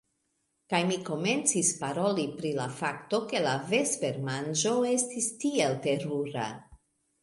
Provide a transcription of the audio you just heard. Kaj mi komencis paroli pri la fakto, ke la vespermanĝo estis tiel terura.